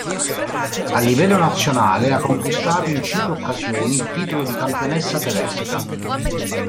A livello nazionale ha conquistato in cinque occasioni il titolo di campionessa tedesca.